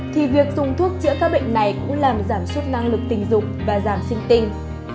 thì việc dùng thuốc chữa các bệnh này cũng làm giảm suốt năng lực tình dục và giảm sinh tinh